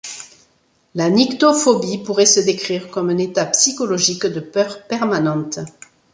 La nyctophobie pourrait se décrire comme un état psychologique de peur permanente.